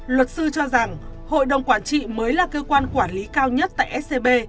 luật sư cho rằng hội đồng quản trị mới là cơ quan quản lý cao nhất tại scb